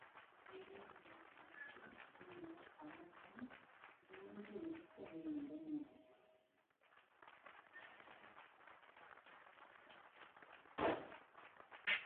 ஏதோ ஒரு இடத்தில் இந்த ஆட்டம் தோன்றியிருக்க வேண்டும்.